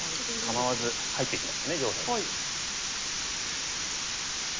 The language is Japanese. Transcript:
構わず入っていきましたね上辺。